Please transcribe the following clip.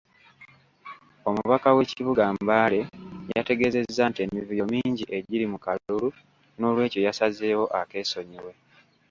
Omubaka w’ekibuga Mbale yategeezezza nti emivuyo mingi egiri mu kalulu n’olwekyo yasazeewo akeesonyiwe.